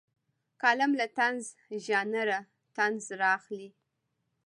کالم له طنز ژانره طنز رااخلي.